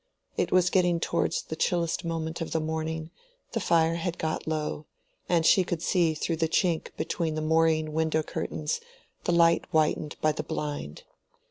It was getting towards the chillest moment of the morning, the fire had got low, and she could see through the chink between the moreen window curtains the light whitened by the blind.